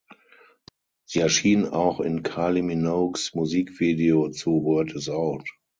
Sie erschien auch in Kylie Minogues Musikvideo zu „Word Is Out“.